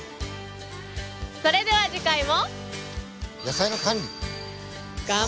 それでは次回も。